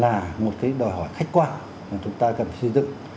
là một cái đòi hỏi khách quan mà chúng ta cần phải xây dựng